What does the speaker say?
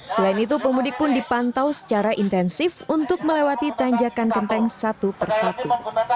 selain itu pemudik pun dipantau secara intensif untuk melewati tanjakan genteng satu persatu